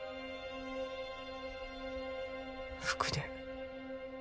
服で